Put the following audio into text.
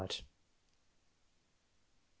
right 5.